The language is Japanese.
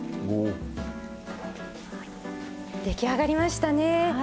出来上がりましたね。